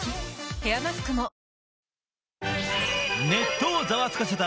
ヘアマスクもネットをざわつかせた